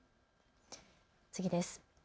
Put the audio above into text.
次です。